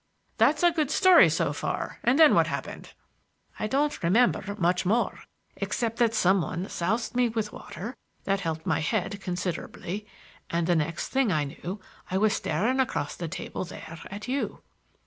"That's a good story so far; and then what happened?" "I don't remember much more, except that some one soused me with water that helped my head considerably, and the next thing I knew I was staring across the table there at you."